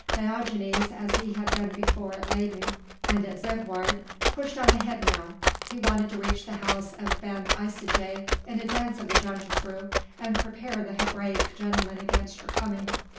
Diogenes as he had done before at Leyden and at Zegwaard pushed on ahead now; he wanted to reach the house of Ben Isaje in advance of the jongejuffrouw and prepare the Hebraic gentleman against her coming.